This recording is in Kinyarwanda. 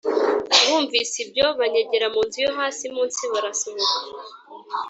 bumvise ibyo banyegera mu nzu yo hasi munsi barasohoka